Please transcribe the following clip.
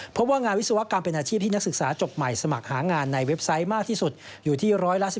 เพราะว่างานวิศวกรรมเป็นอาชีพที่นักศึกษาจบใหม่สมัครหางานในเว็บไซต์มากที่สุดอยู่ที่๑๑๒